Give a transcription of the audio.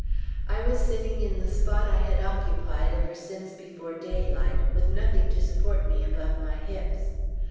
I was sitting in the spot I had occupied ever since before daylight, with nothing to support me above my hips.